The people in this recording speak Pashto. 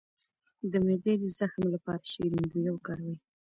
د معدې د زخم لپاره شیرین بویه وکاروئ